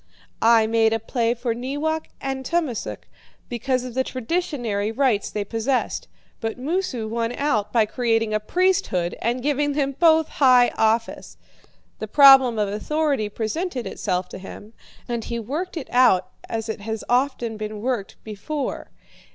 I made a play for Neewak and Tummasook, because of the traditionary rights they possessed; but Moosu won out by creating a priesthood and giving them both high office. The problem of authority presented itself to him, and he worked it out as it has often been worked before.